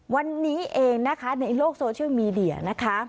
วันนี้เองนะคะในโลกโซเชียลมีเดียนะคะ